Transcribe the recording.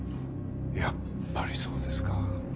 やっぱりそうですか。